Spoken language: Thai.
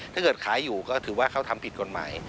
ถ้าเกิดขายอยู่ก็ถือว่าเขาทำผิดกฎหมาย